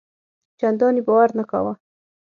چنداني باور نه کاوه.